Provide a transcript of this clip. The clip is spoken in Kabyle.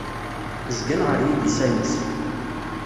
Zgan ɣer yidisan-is.